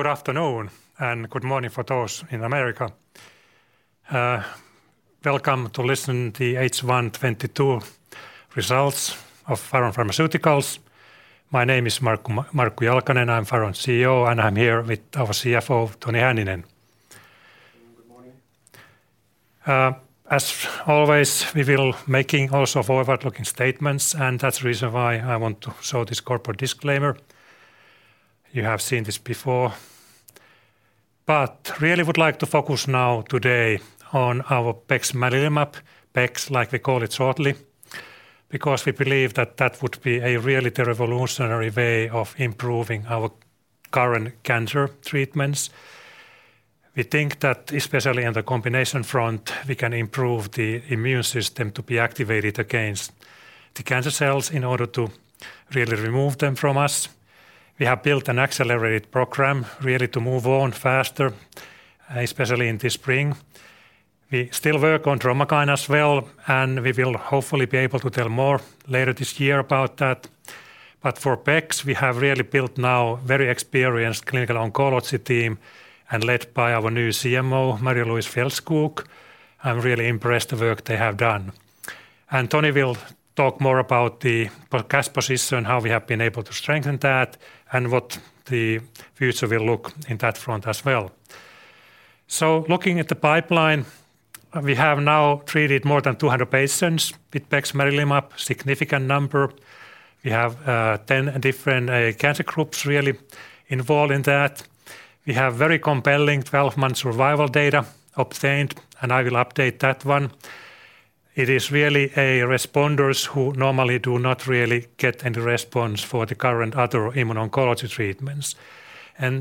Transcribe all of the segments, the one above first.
Good afternoon, and good morning for those in America. Welcome to the H1 2022 results of Faron Pharmaceuticals. My name is Markku Jalkanen. I'm Faron's CEO, and I'm here with our CFO, Toni Hänninen. Good morning. As always, we will making also forward-looking statements, and that's the reason why I want to show this corporate disclaimer. You have seen this before. Really would like to focus now today on our Bexmarilimab, Bex, like we call it shortly, because we believe that that would be a really revolutionary way of improving our current cancer treatments. We think that especially in the combination front, we can improve the immune system to be activated against the cancer cells in order to really remove them from us. We have built an accelerated program really to move on faster, especially in the spring. We still work on Traumakine as well, and we will hopefully be able to tell more later this year about that. For Bex, we have really built now very experienced clinical oncology team, led by our new CMO, Marie-Louise Fjällskog. I'm really impressed by the work they have done. Toni will talk more about the cash position, how we have been able to strengthen that, and what the future will look like in that front as well. Looking at the pipeline, we have now treated more than 200 patients with Bexmarilimab, significant number. We have 10 different cancer groups really involved in that. We have very compelling 12-month survival data obtained, and I will update that one. It is really the responders who normally do not really get any response for the current other immuno-oncology treatments.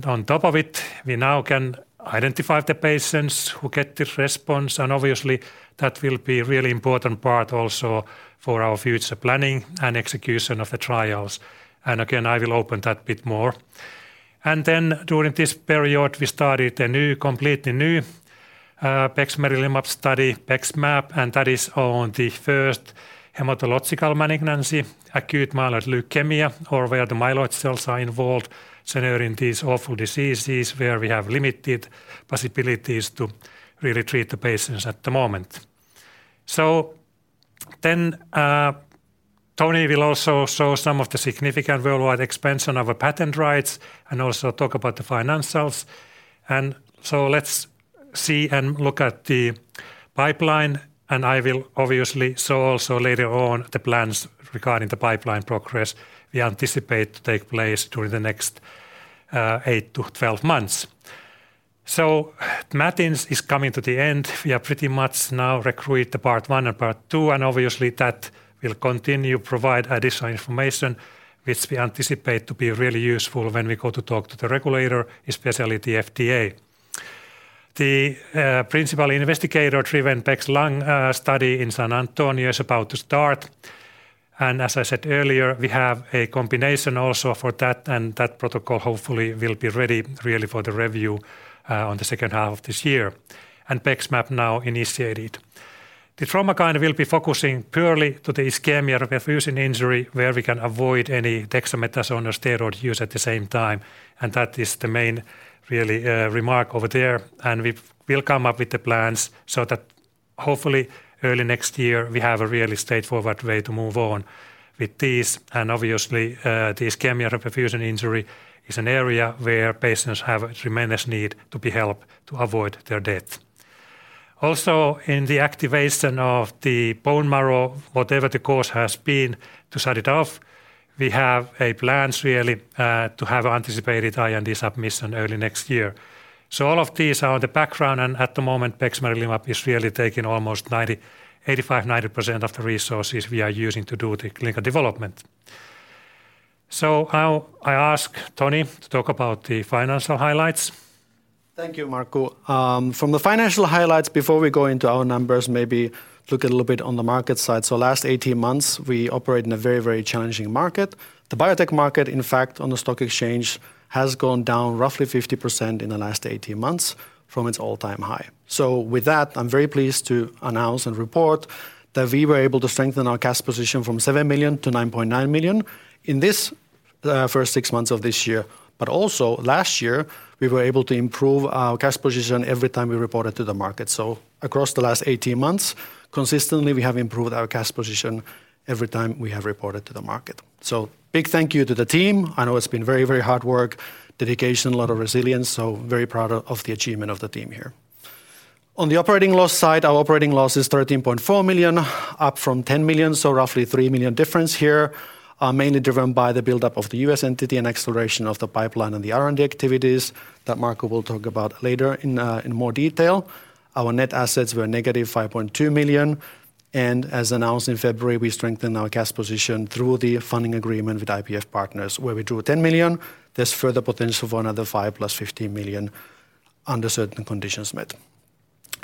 On top of it, we now can identify the patients who get this response, and obviously that will be a really important part also for our future planning and execution of the trials. Again, I will open that bit more. During this period we started a new, completely new, Bexmarilimab study, BEXMAB, and that is on the first hematological malignancy, acute myeloid leukemia, or where the myeloid cells are involved, so they're in these awful diseases where we have limited possibilities to really treat the patients at the moment. Toni will also show some of the significant worldwide expansion of our patent rights and also talk about the financials. Let's see and look at the pipeline and I will obviously show also later on the plans regarding the pipeline progress we anticipate to take place during the next, eight to 12 months. MATINS is coming to the end. We have pretty much now recruited the part one and part two, and obviously that will continue provide additional information which we anticipate to be really useful when we go to talk to the regulator, especially the FDA. The principal investigator-driven Bexmarilimab lung study in San Antonio is about to start. As I said earlier, we have a combination also for that, and that protocol hopefully will be ready really for the review on the second half of this year. Bexmarilimab now initiated. The Traumakine will be focusing purely to the ischemia-reperfusion injury, where we can avoid any dexamethasone or steroid use at the same time, and that is the main really remark over there. We will come up with the plans so that hopefully early next year, we have a really straightforward way to move on with this. Obviously, the ischemia-reperfusion injury is an area where patients have tremendous need to be helped to avoid their death. Also, in the activation of the bone marrow, whatever the cause has been to set it off, we have a plans really to have anticipated IND submission early next year. All of these are the background and at the moment, Bexmarilimab is really taking almost 85%-90% of the resources we are using to do the clinical development. Now I ask Toni to talk about the financial highlights. Thank you, Markku. From the financial highlights, before we go into our numbers, maybe look a little bit on the market side. Last 18 months, we operate in a very, very challenging market. The biotech market, in fact, on the stock exchange, has gone down roughly 50% in the last 18 months from its all-time high. With that, I'm very pleased to announce and report that we were able to strengthen our cash position from 7 million-9.9 million in this first six months of this year. Also last year, we were able to improve our cash position every time we reported to the market. Across the last 18 months, consistently, we have improved our cash position every time we have reported to the market. Big thank you to the team. I know it's been very, very hard work, dedication, a lot of resilience, so very proud of the achievement of the team here. On the operating loss side, our operating loss is 13.4 million, up from 10 million, so roughly 3 million difference here, mainly driven by the buildup of the U.S. entity and acceleration of the pipeline and the R&D activities that Markku will talk about later, in more detail. Our net assets were negative 5.2 million, and as announced in February, we strengthened our cash position through the funding agreement with IPF Partners, where we drew 10 million. There's further potential for another 5 million+EUR 15 million under certain conditions met.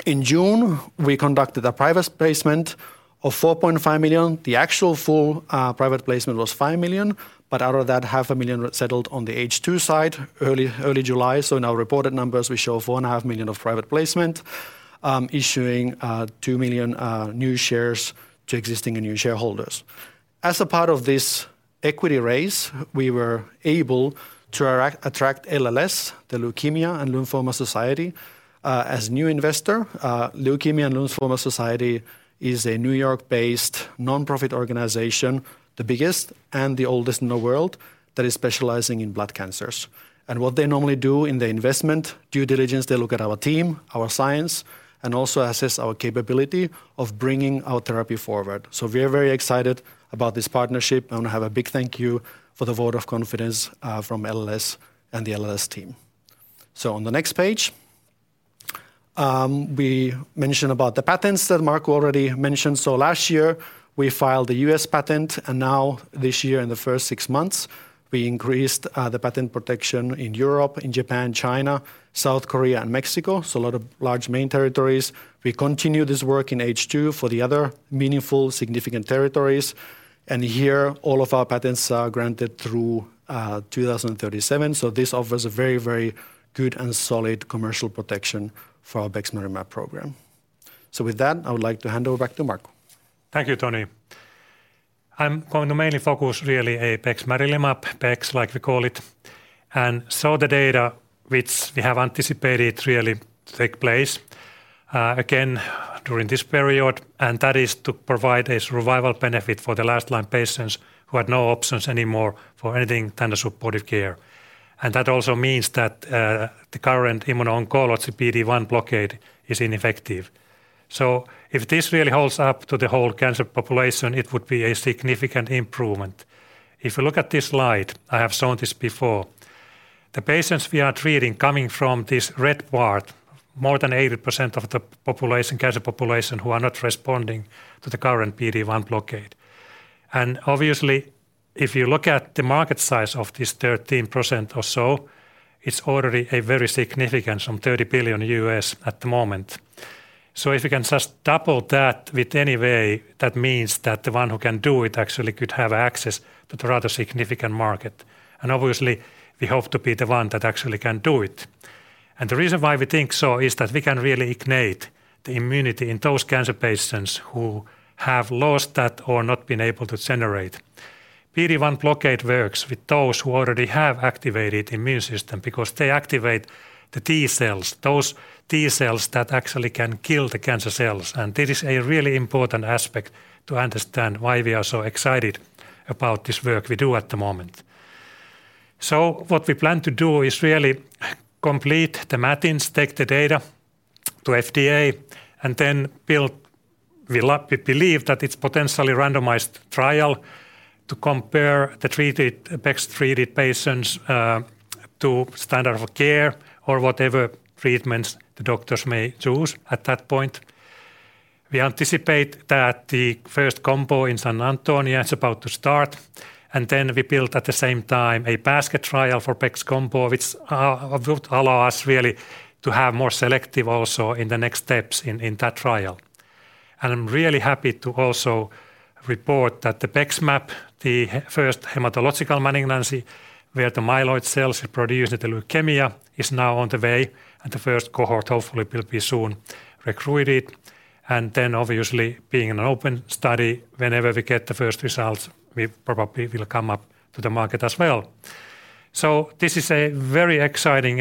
In June, we conducted a private placement of 4.5 million. The actual full private placement was 5 million, but out of that, half a million settled on the H2 side early July. In our reported numbers, we show 4.5 million of private placement, issuing 2 million new shares to existing and new shareholders. As a part of this equity raise, we were able to attract LLS, The Leukemia & Lymphoma Society, as new investor. Leukemia & Lymphoma Society is a New York-based nonprofit organization, the biggest and the oldest in the world that is specializing in blood cancers. What they normally do in their investment due diligence, they look at our team, our science, and also assess our capability of bringing our therapy forward. We are very excited about this partnership, and we have a big thank you for the vote of confidence from LLS and the LLS team. On the next page, we mentioned about the patents that Markku already mentioned. Last year we filed a U.S. patent, and now this year in the first six months, we increased the patent protection in Europe, in Japan, China, South Korea and Mexico, so a lot of large main territories. We continue this work in H2 for the other meaningful, significant territories. Here all of our patents are granted through 2037. This offers a very, very good and solid commercial protection for our Bexmarilimab program. With that, I would like to hand over back to Markku. Thank you, Toni. I'm going to mainly focus really on Bexmarilimab, Bex, like we call it. The data which we have anticipated really to take place again during this period, and that is to provide a survival benefit for the last line patients who had no options anymore for anything than the supportive care. That also means that the current immuno-oncology PD-1 blockade is ineffective. If this really holds up to the whole cancer population, it would be a significant improvement. If you look at this slide, I have shown this before. The patients we are treating coming from this red part, more than 80% of the population, cancer population, who are not responding to the current PD-1 blockade. Obviously, if you look at the market size of this 13% or so, it's already a very significant, some $30 billion at the moment. If you can just double that with any way, that means that the one who can do it actually could have access to the rather significant market. Obviously we hope to be the one that actually can do it. The reason why we think so is that we can really ignite the immunity in those cancer patients who have lost that or not been able to generate. PD-1 blockade works with those who already have activated immune system because they activate the T cells, those T cells that actually can kill the cancer cells. This is a really important aspect to understand why we are so excited about this work we do at the moment. What we plan to do is really complete the MATINS, take the data to FDA, and then build, we believe that it's potentially randomized trial to compare the treated, Bex-treated patients, to standard of care or whatever treatments the doctors may choose at that point. We anticipate that the first combo in San Antonio is about to start, and then we build at the same time a basket trial for Bex combo, which would allow us really to have more selective also in the next steps in that trial. I'm really happy to also report that the BEXMAB, the first hematological malignancy, where the myeloid cells produce the leukemia, is now on the way, and the first cohort hopefully will be soon recruited. Obviously being in an open study, whenever we get the first results, we probably will come up to the market as well. This is a very exciting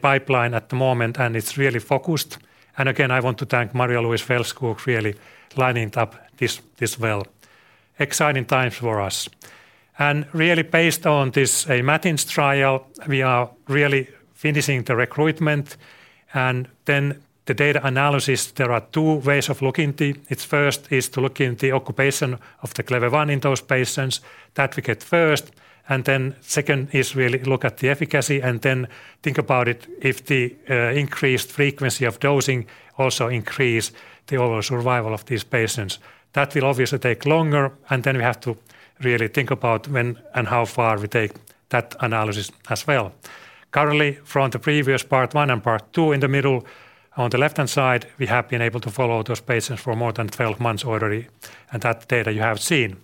pipeline at the moment, and it's really focused. Again, I want to thank Marie-Louise Fjällskog really lining up this well. Exciting times for us. Really based on this MATINS trial, we are really finishing the recruitment and then the data analysis. There are two ways of looking at it. First is to look at the occupancy of the Clever-1 in those patients that we get first. Second is really to look at the efficacy and then think about it if the increased frequency of dosing also increase the overall survival of these patients. That will obviously take longer, and then we have to really think about when and how far we take that analysis as well. Currently, from the previous part one and part two in the middle on the left-hand side, we have been able to follow those patients for more than 12-months already. That data you have seen.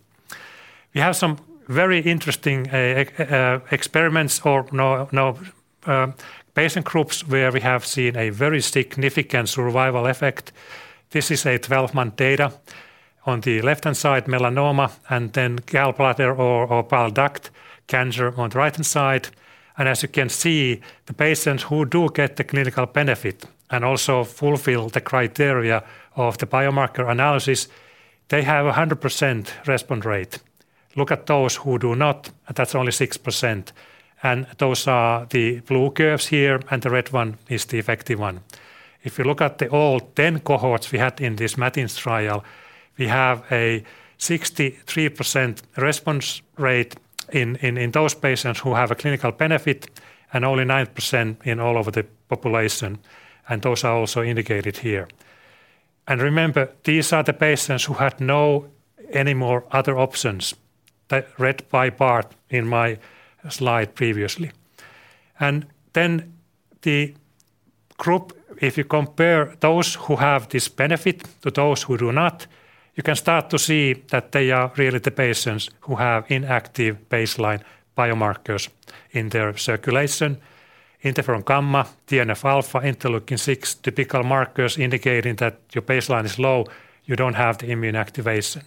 We have some very interesting patient groups where we have seen a very significant survival effect. This is a 12-month data. On the left-hand side, melanoma and then gallbladder or bile duct cancer on the right-hand side. As you can see, the patients who do get the clinical benefit and also fulfill the criteria of the biomarker analysis, they have a 100% response rate. Look at those who do not, that's only 6%. Those are the blue curves here, and the red one is the effective one. If you look at all 10 cohorts we had in this MATINS trial, we have a 63% response rate in those patients who have a clinical benefit and only 9% in all of the population. Those are also indicated here. Remember, these are the patients who had no any more other options. That red pie part in my slide previously. Then the group, if you compare those who have this benefit to those who do not, you can start to see that they are really the patients who have inactive baseline biomarkers in their circulation. Interferon gamma, TNF-alpha, interleukin-6, typical markers indicating that your baseline is low, you don't have the immune activation.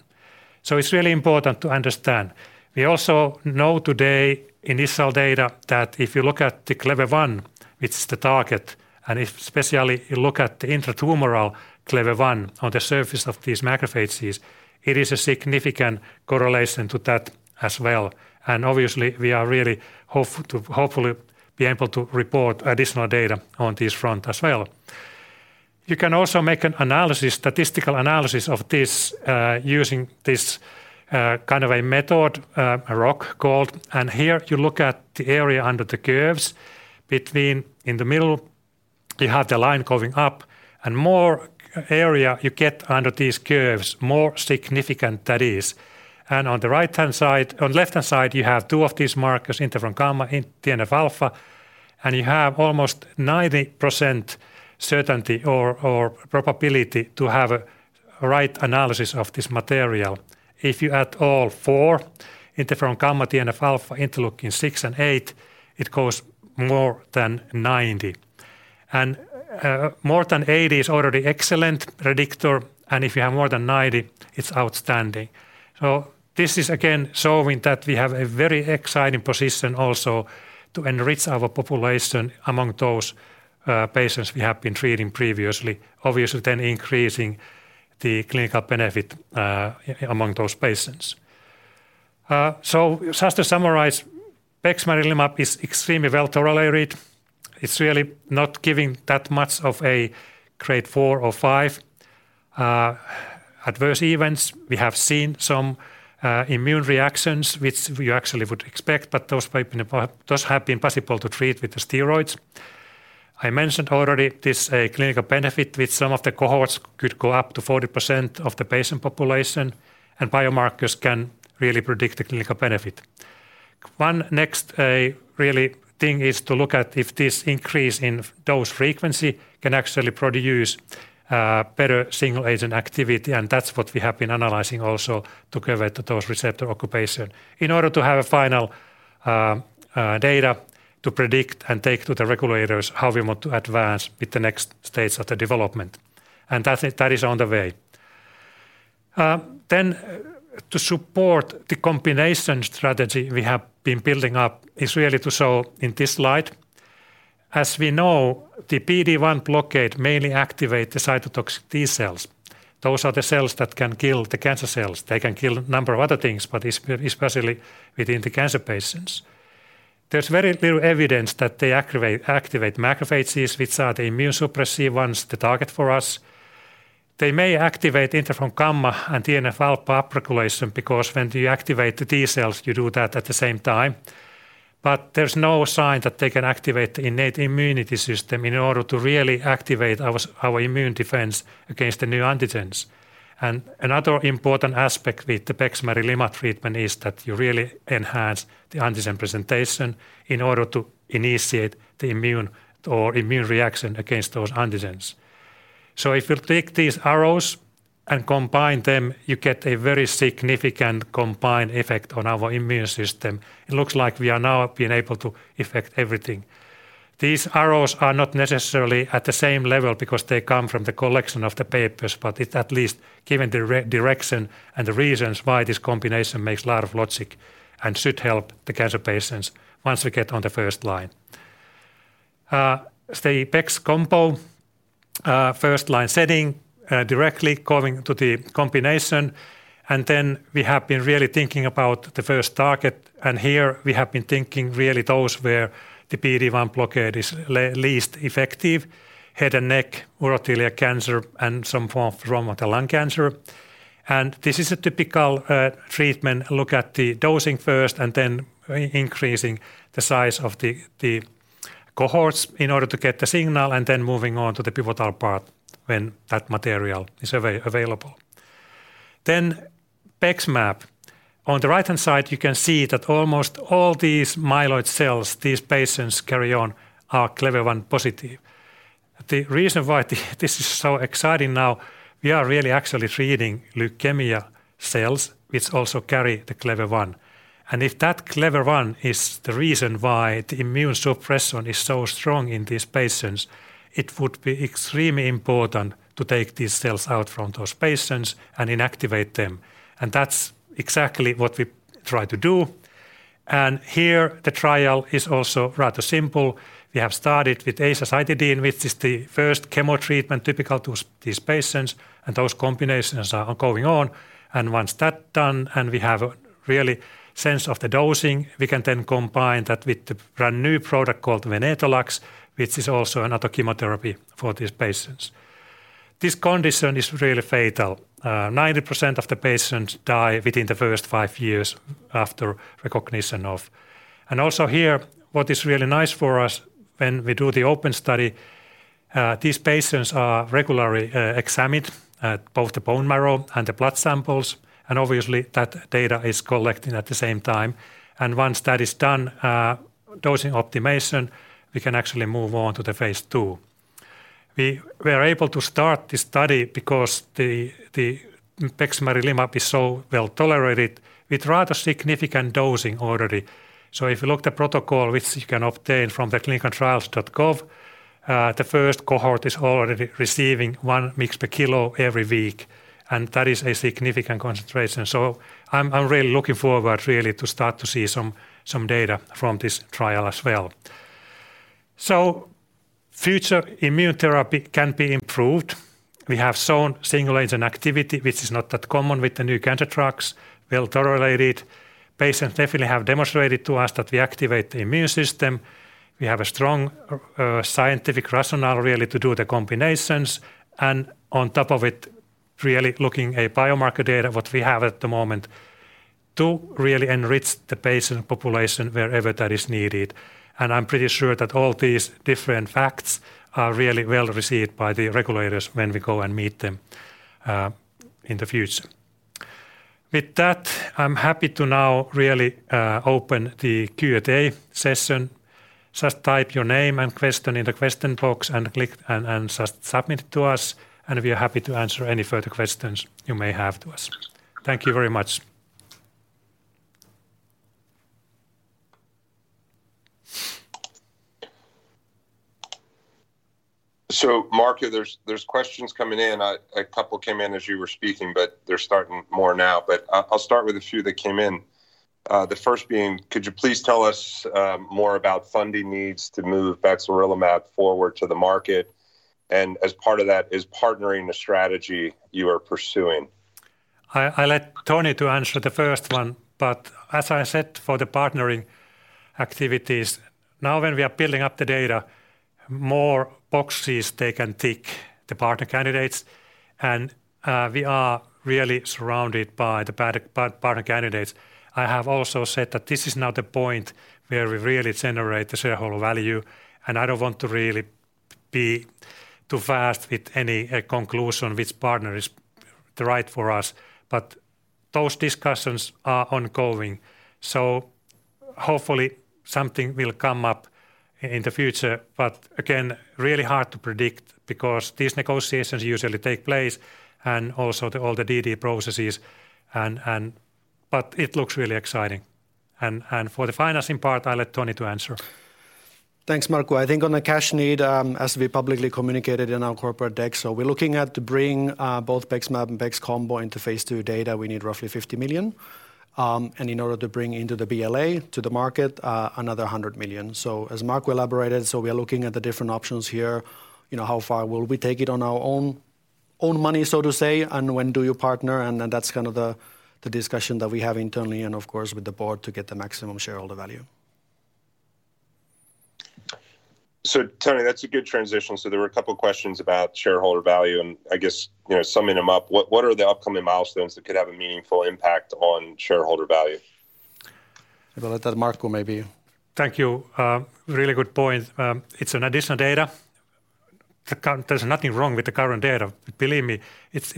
So it's really important to understand. We also know today initial data that if you look at the Clever-1, it's the target, and if especially you look at the intratumoral Clever-1 on the surface of these macrophages, it is a significant correlation to that as well. Obviously we really hope to hopefully be able to report additional data on this front as well. You can also make an analysis, statistical analysis of this, using this, kind of a method, a ROC called, and here you look at the area under the curves between, in the middle you have the line going up and more area you get under these curves, more significant that is. On the left-hand side, you have two of these markers, interferon gamma and TNF-alpha, and you have almost 90% certainty or probability to have a right analysis of this material. If you add all four, interferon gamma, TNF-alpha, interleukin-6 and interleukin-8, it goes more than 90. More than 80 is already excellent predictor, and if you have more than 90, it's outstanding. This is again showing that we have a very exciting position also to enrich our population among those patients we have been treating previously, obviously then increasing the clinical benefit among those patients. Just to summarize, Bexmarilimab is extremely well tolerated. It's really not giving that much of a grade four or five adverse events. We have seen some immune reactions, which we actually would expect, but those have been possible to treat with the steroids. I mentioned already this clinical benefit with some of the cohorts could go up to 40% of the patient population, and biomarkers can really predict the clinical benefit. One next really thing is to look at if this increase in dose frequency can actually produce better single agent activity, and that's what we have been analyzing also together with those receptor occupancy in order to have a final data to predict and take to the regulators how we want to advance with the next stage of the development. That is on the way. To support the combination strategy we have been building up is really to show in this slide. As we know, the PD-1 blockade mainly activate the cytotoxic T cells. Those are the cells that can kill the cancer cells. They can kill number of other things, but especially within the cancer patients. There's very little evidence that they activate macrophages, which are the immune suppressive ones, the target for us. They may activate interferon gamma and TNF-alpha upregulation because when you activate the T cells, you do that at the same time. There's no sign that they can activate the innate immunity system in order to really activate our immune defense against the new antigens. Another important aspect with the Bexmarilimab treatment is that you really enhance the antigen presentation in order to initiate the immune reaction against those antigens. If you take these arrows and combine them, you get a very significant combined effect on our immune system. It looks like we are now being able to affect everything. These arrows are not necessarily at the same level because they come from the collection of the papers, but it at least gives direction and the reasons why this combination makes a lot of sense and should help the cancer patients once we get on the first line. The BEXMAB combo first line setting directly going to the combination, and then we have been really thinking about the first target, and here we have been thinking really those where the PD-1 blockade is least effective, head and neck, urothelial cancer, and some form of lymphoma, the lung cancer. This is a typical treatment. Look at the dosing first and then increasing the size of the cohorts in order to get the signal and then moving on to the pivotal part when that material is available. Then Bexmarilimab. On the right-hand side, you can see that almost all these myeloid cells these patients carry on are Clever-1 positive. The reason why this is so exciting now, we are really actually treating leukemia cells which also carry the Clever-1. If that Clever-1 is the reason why the immune suppression is so strong in these patients, it would be extremely important to take these cells out from those patients and inactivate them. That's exactly what we try to do. Here the trial is also rather simple. We have started with azacitidine, which is the first chemo treatment typical to these patients, and those combinations are going on. Once that's done, and we have really sense of the dosing, we can then combine that with the brand-new product called Venetoclax, which is also another chemotherapy for these patients. This condition is really fatal. 90% of the patients die within the first five years after recognition of. Also here, what is really nice for us when we do the open study, these patients are regularly examined at both the bone marrow and the blood samples, and obviously that data is collected at the same time. Once that is done, dosing optimization, we can actually move on to the phase II. We are able to start the study because the Bexmarilimab is so well-tolerated with rather significant dosing already. If you look at the protocol, which you can obtain from the ClinicalTrials.gov, the first cohort is already receiving 1 mg per kilo every week, and that is a significant concentration. I'm really looking forward to start to see some data from this trial as well. Future immune therapy can be improved. We have shown single agent activity, which is not that common with the new cancer drugs, well-tolerated. Patients definitely have demonstrated to us that we activate the immune system. We have a strong scientific rationale really to do the combinations. On top of it, really looking at biomarker data, what we have at the moment to really enrich the patient population wherever that is needed. I'm pretty sure that all these different facts are really well received by the regulators when we go and meet them in the future. With that, I'm happy to now really open the Q&A session. Just type your name and question in the question box and click and just submit it to us, and we are happy to answer any further questions you may have to us. Thank you very much. Markku, there's questions coming in. A couple came in as you were speaking, but they're starting more now. I'll start with a few that came in. The first being, could you please tell us more about funding needs to move Bexmarilimab forward to the market? As part of that, is partnering the strategy you are pursuing? I let Toni to answer the first one, but as I said for the partnering activities, now when we are building up the data, more boxes they can tick the partner candidates, and we are really surrounded by the partner candidates. I have also said that this is now the point where we really generate the shareholder value, and I don't want to really be too fast with any conclusion which partner is the right for us. Those discussions are ongoing. Hopefully something will come up in the future. Again, really hard to predict because these negotiations usually take place and also all the DD processes, but it looks really exciting. For the financing part, I let Toni to answer. Thanks, Markku. I think on the cash need, as we publicly communicated in our corporate deck, we're looking to bring both BEXMAB and BEXMAB combo into phase II data, we need roughly 50 million. In order to bring into the BLA to the market, another hundred million. As Markku elaborated, we are looking at the different options here, you know, how far will we take it on our own money, so to say, and when do you partner? That's kind of the discussion that we have internally and of course with the board to get the maximum shareholder value. Toni, that's a good transition. There were a couple questions about shareholder value, and I guess, you know, summing them up, what are the upcoming milestones that could have a meaningful impact on shareholder value? I will let that Markku maybe. Thank you. Really good point. It's an additional data. There's nothing wrong with the current data. Believe me, it's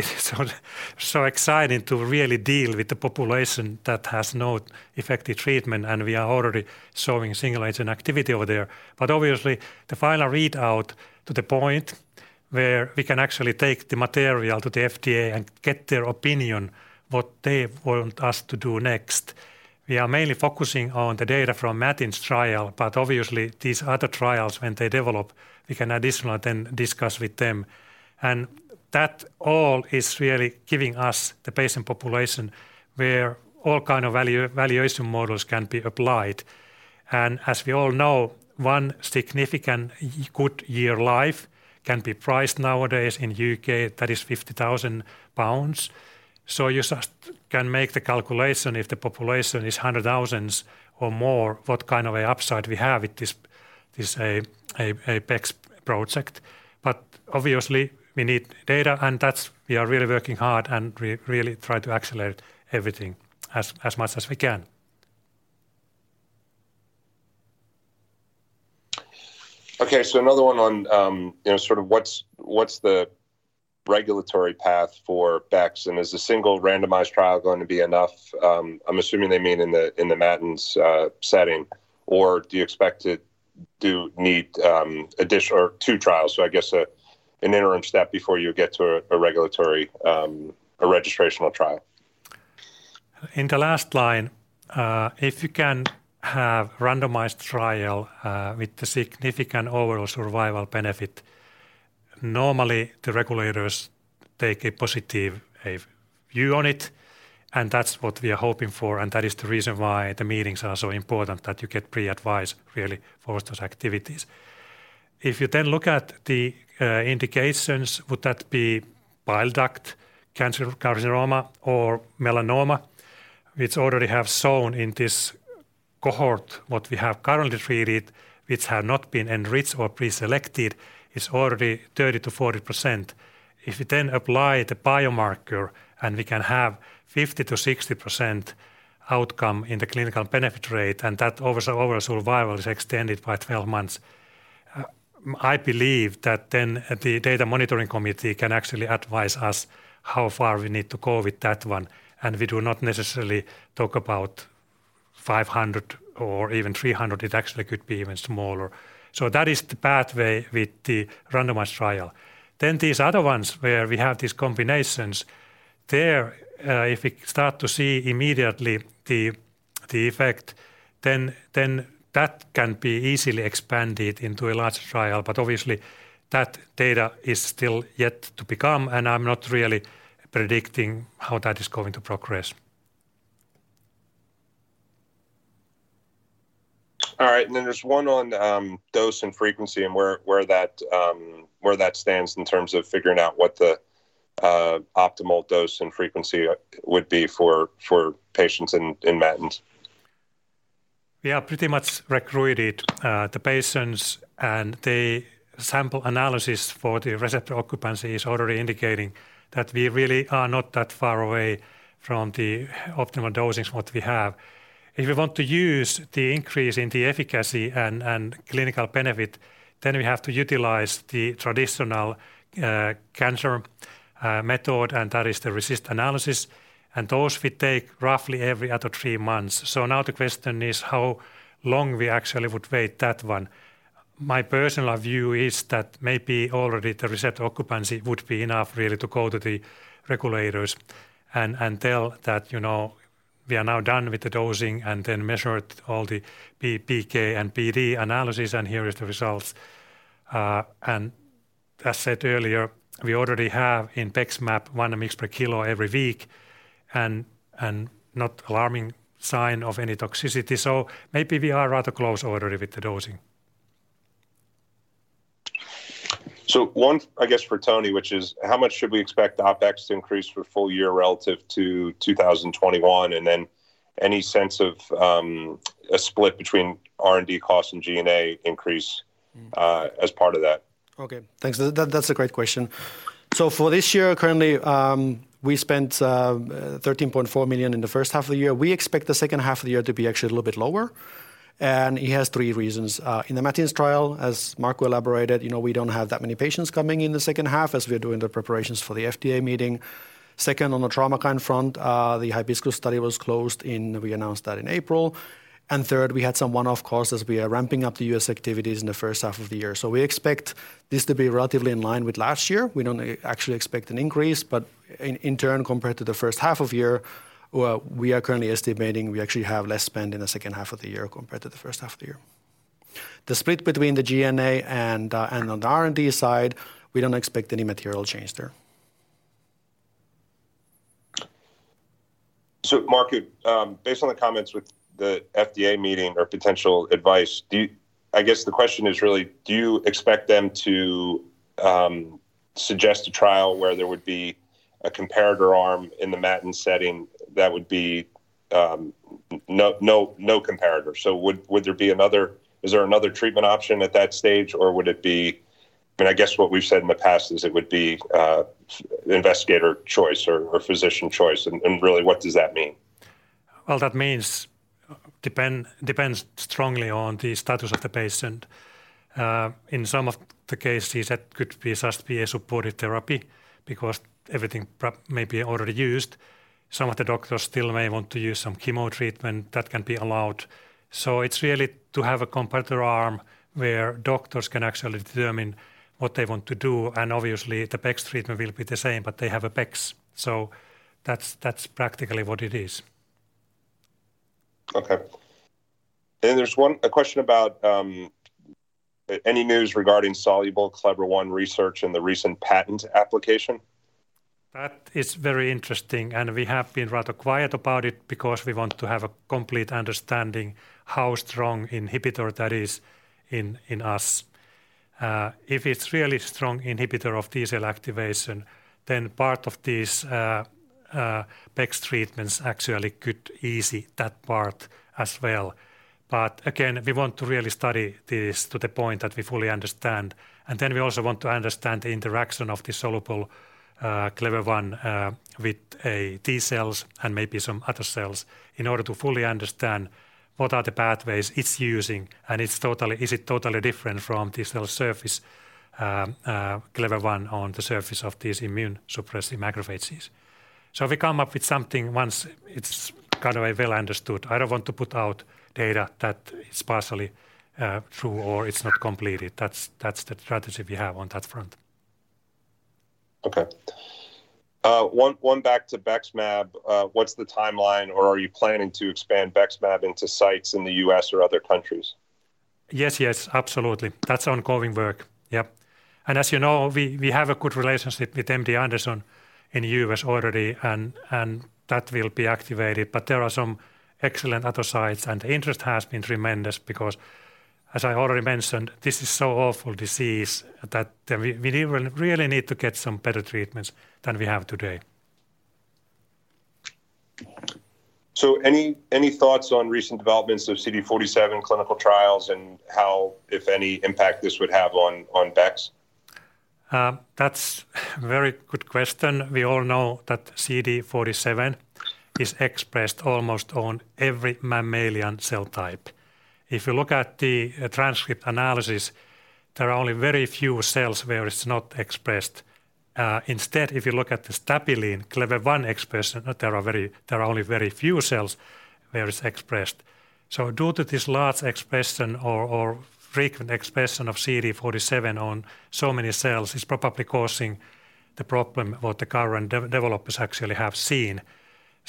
so exciting to really deal with the population that has no effective treatment, and we are already showing single agent activity over there. Obviously, the final readout to the point where we can actually take the material to the FDA and get their opinion what they want us to do next. We are mainly focusing on the data from MATINS trial, but obviously these other trials, when they develop, we can additionally then discuss with them. That all is really giving us the patient population where all kind of valuation models can be applied. As we all know, one significant good year life can be priced nowadays in U.K., that is 50,000 pounds. You just can make the calculation if the population is 100,000 or more, what kind of a upside we have with this BEX project. Obviously we need data, and that's why we are really working hard, and we really try to accelerate everything as much as we can. Okay. Another one on, you know, sort of what's the regulatory path for BEX, and is the single randomized trial going to be enough? I'm assuming they mean in the MATINS setting. Or do you expect to need additional or two trials? I guess an interim step before you get to a regulatory, a registrational trial. In the last line, if you can have randomized trial with the significant overall survival benefit, normally the regulators take a positive view on it, and that's what we are hoping for, and that is the reason why the meetings are so important that you get pre-advised really for those activities. If you then look at the indications, would that be bile duct cancer, cholangiocarcinoma or melanoma, which already have shown in this cohort what we have currently treated, which have not been enriched or preselected, is already 30%-40%. If you then apply the biomarker, and we can have 50%-60% outcome in the clinical benefit rate, and that overall survival is extended by 12 months, I believe that then the data monitoring committee can actually advise us how far we need to go with that one. We do not necessarily talk about 500 or even 300, it actually could be even smaller. That is the pathway with the randomized trial. These other ones where we have these combinations, there, if we start to see immediately the effect, then that can be easily expanded into a large trial. Obviously that data is still yet to become, and I'm not really predicting how that is going to progress. All right. Then there's one on dose and frequency and where that stands in terms of figuring out what the optimal dose and frequency would be for patients in MATINS. We have pretty much recruited the patients, and the sample analysis for the receptor occupancy is already indicating that we really are not that far away from the optimal dosings what we have. If we want to use the increase in the efficacy and clinical benefit, then we have to utilize the traditional cancer method, and that is the RECIST analysis. Those we take roughly every other three months. Now the question is how long we actually would wait that one. My personal view is that maybe already the receptor occupancy would be enough really to go to the regulators and tell that, you know, we are now done with the dosing and then measured all the PPK and PD analysis, and here is the results. As said earlier, we already have in BEXMAB 1 mg/kg every week and no alarming sign of any toxicity. Maybe we are rather close already with the dosing. One, I guess, for Toni, which is how much should we expect the OpEx to increase for full year relative to 2021? Then any sense of a split between R&D costs and G&A increase as part of that? Okay. Thanks. That's a great question. For this year currently, we spent 13.4 million in the first half of the year. We expect the second half of the year to be actually a little bit lower. It has three reasons. In the MATINS trial, as Markku elaborated, you know, we don't have that many patients coming in the second half as we are doing the preparations for the FDA meeting. Second, on the Traumakine front, the HIBISCUS study was closed. We announced that in April. Third, we had some one-off costs as we are ramping up the U.S. activities in the first half of the year. We expect this to be relatively in line with last year. We don't actually expect an increase. In turn, compared to the first half of the year, well, we are currently estimating we actually have less spend in the second half of the year compared to the first half of the year. The split between the G&A and on the R&D side, we don't expect any material change there. Markku, based on the comments with the FDA meeting or potential advice, I guess the question is really, do you expect them to suggest a trial where there would be a comparator arm in the MATINS setting that would be no comparator? Would there be another treatment option at that stage, or would it be? I mean, I guess what we've said in the past is it would be investigator choice or physician choice. Really, what does that mean? Well, that means depends strongly on the status of the patient. In some of the cases that could be just a supportive therapy because everything may be already used. Some of the doctors still may want to use some chemo treatment that can be allowed. It's really to have a comparator arm where doctors can actually determine what they want to do. Obviously the Bexmarilimab treatment will be the same, but they have a Bexmarilimab. That's practically what it is. Okay. There's a question about any news regarding soluble Clever-1 research and the recent patent application? That is very interesting. We have been rather quiet about it because we want to have a complete understanding how strong inhibitor that is in us. If it's really strong inhibitor of T-cell activation, then part of these Bexmarilimab treatments actually could ease that part as well. We want to really study this to the point that we fully understand. We also want to understand the interaction of the soluble Clever-1 with T cells and maybe some other cells in order to fully understand what are the pathways it's using, and is it totally different from T cell surface Clever-1 on the surface of these immune-suppressing macrophages. If we come up with something once it's kind of well understood. I don't want to put out data that is partially true or it's not completed. That's the strategy we have on that front. Okay. One back to BEXMAB. What's the timeline, or are you planning to expand BEXMAB into sites in the U.S. or other countries? Yes, yes, absolutely. That's ongoing work. Yep. As you know, we have a good relationship with MD Anderson in U.S. already and that will be activated. There are some excellent other sites, and interest has been tremendous because, as I already mentioned, this is such an awful disease that we really need to get some better treatments than we have today. Any thoughts on recent developments of CD47 clinical trials and how, if any, impact this would have on Bexmarilimab? That's a very good question. We all know that CD47 is expressed almost on every mammalian cell type. If you look at the transcript analysis, there are only very few cells where it's not expressed. Instead, if you look at the Stabilin-1, Clever-1 expression, there are only very few cells where it's expressed. So due to this large expression or frequent expression of CD47 on so many cells, it's probably causing the problem what the current developers actually have seen.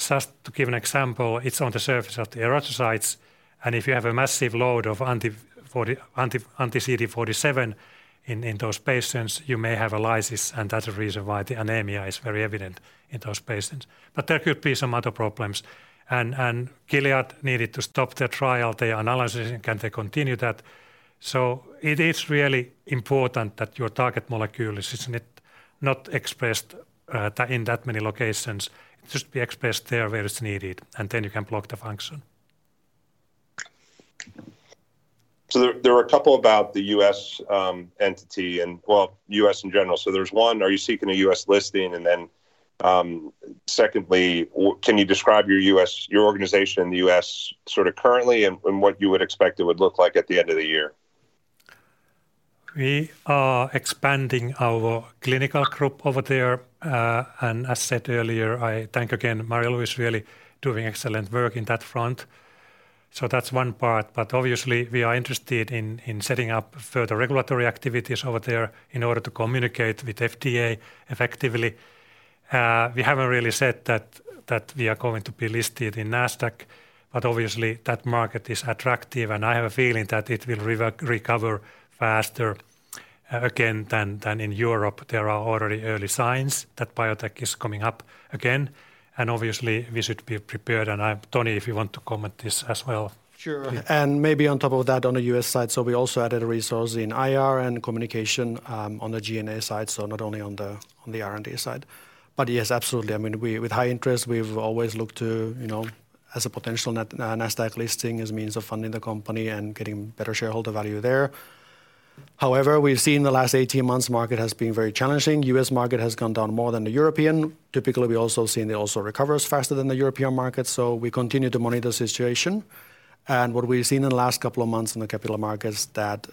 Just to give an example, it's on the surface of the erythrocytes, and if you have a massive load of anti-CD47 in those patients, you may have a lysis, and that's the reason why the anemia is very evident in those patients. There could be some other problems. Gilead needed to stop their trial, they analyze it, and can they continue that? It is really important that your target molecule is not expressed in that many locations. It just be expressed there where it's needed, and then you can block the function. There were a couple about the U.S. entity and, well, U.S. in general. There's one, are you seeking a U.S. listing? Secondly, can you describe your U.S. organization in the U.S. sorta currently and what you would expect it would look like at the end of the year? We are expanding our clinical group over there. As said earlier, I thank again Marie-Louise Fjällskog, who is really doing excellent work on that front. That's one part. Obviously, we are interested in setting up further regulatory activities over there in order to communicate with FDA effectively. We haven't really said that we are going to be listed in Nasdaq, but obviously, that market is attractive, and I have a feeling that it will recover faster again than in Europe. There are already early signs that biotech is coming up again, and obviously, we should be prepared. Toni Hänninen, if you want to comment on this as well. Sure. Maybe on top of that, on the U.S. side, we also added a resource in IR and communication on the G&A side, so not only on the R&D side. Yes, absolutely. I mean, with high interest, we've always looked to, you know, a potential Nasdaq listing as a means of funding the company and getting better shareholder value there. However, we've seen the last 18 months market has been very challenging. U.S. market has gone down more than the European. Typically, we've seen it recovers faster than the European market, so we continue to monitor the situation. What we've seen in the last couple of months in the capital markets is that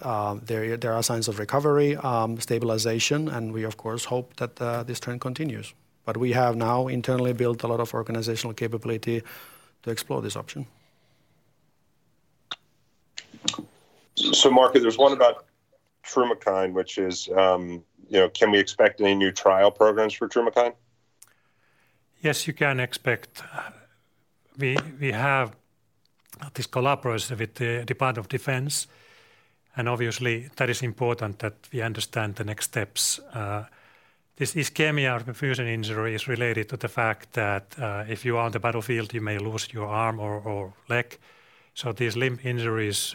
there are signs of recovery, stabilization, and we of course hope that this trend continues. We have now internally built a lot of organizational capability to explore this option. Mark, there's one about Traumakine, which is, can we expect any new trial programs for Traumakine? Yes, you can expect. We have this collaboration with the Department of Defense, and obviously that is important that we understand the next steps. This ischemia-reperfusion injury is related to the fact that, if you are on the battlefield, you may lose your arm or leg. These limb injuries,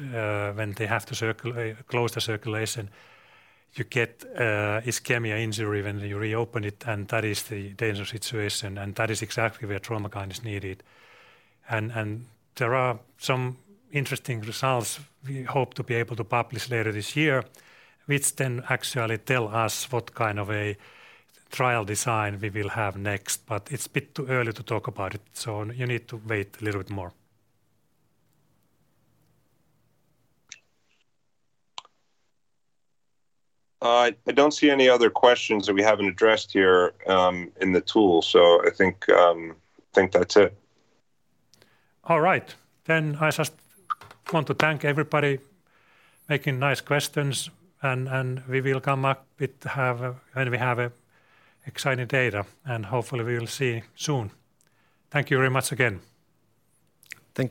when they have to close the circulation, you get ischemia-reperfusion injury when you reopen it, and that is the dangerous situation, and that is exactly where Traumakine is needed. There are some interesting results we hope to be able to publish later this year, which then actually tell us what kind of a trial design we will have next. It's a bit too early to talk about it, so you need to wait a little bit more. I don't see any other questions that we haven't addressed here in the tool, so I think that's it. All right. I just want to thank everybody making nice questions and we will come back when we have exciting data, and hopefully we will see soon. Thank you very much again. Thank you.